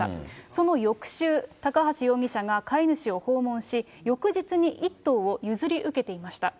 その翌週、高橋容疑者が飼い主を訪問し、翌日に１頭を譲り受けていました。